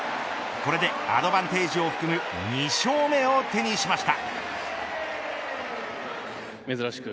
これで、アドバンテージを含む２勝目を手にしました。